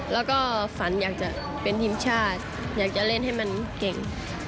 แล้วก็ฝันอยากจะเป็นทีมชาติอยากจะเล่นให้มันเก่ง